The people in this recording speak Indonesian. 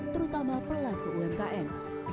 terutama pelaku umkm